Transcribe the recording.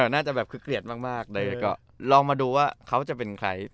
น่าจะแบบคือเกลียดมากเลยก็ลองมาดูว่าเขาจะเป็นใคร